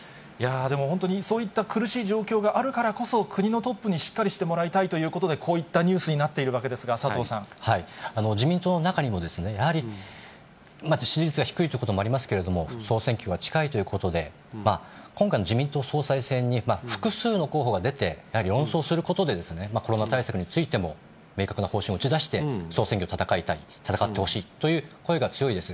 でも、本当にそういった苦しい状況があるからこそ、国のトップにしっかりしてもらいたいということで、こういったニュースになっている自民党の中にも、やはり、支持率が低いということもありますけれども、総選挙が近いということで、今回の自民党総裁選に複数の候補が出て、やはり論争することで、コロナ対策についても明確な方針を打ち出して、総選挙戦いたい、戦ってほしいという声が強いです。